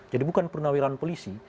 jadi bukan pernawiran polisi